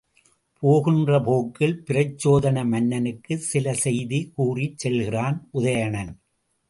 போகின்ற போக்கில் பிரச்சோதன மன்னனுக்குச் சில செய்தி கூறிச் செல்கிறான் உதயணன்.